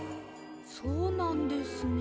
そうなんですね。